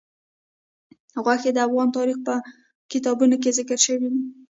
غوښې د افغان تاریخ په کتابونو کې ذکر شوي دي.